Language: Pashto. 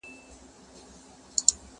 هره ورځ به يې و غلا ته هڅولم